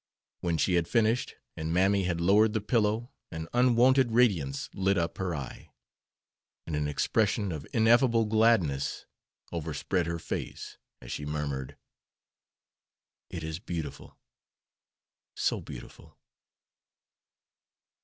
When she had finished, and Mammy had lowered the pillow, an unwonted radiance lit up her eye, and an expression of ineffable gladness overspread her face, as she murmured: "It is beautiful, so beautiful!"